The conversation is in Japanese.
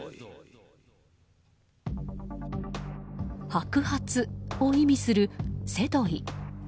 白髪を意味するセドイ。